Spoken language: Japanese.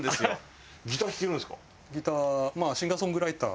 ギターまあシンガーソングライター。